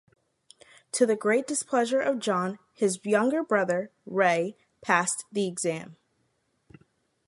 To the great displeasure of John, his younger brother, Ray, passed the exam.